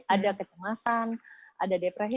ada kecemasan ada depresi